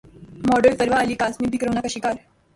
model Farwa Ali Kazmi بھی corona کا شکار